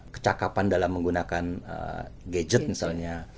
kecakapan dalam menggunakan gadget misalnya